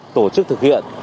tổ chức thực hiện